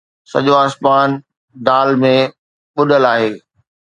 سڄو آسمان دال ۾ ٻڏل آهي